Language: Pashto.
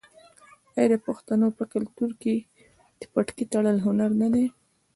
آیا د پښتنو په کلتور کې د پټکي تړل هنر نه دی؟